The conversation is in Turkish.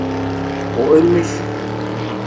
O ölmüş.